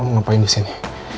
om ngapain disini